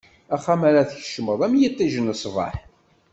Axxam ara tkecmeḍ, am yiṭij n ṣṣbeḥ.